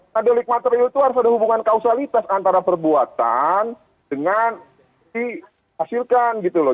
nah delik materi itu harus ada hubungan kausalitas antara perbuatan dengan dihasilkan gitu loh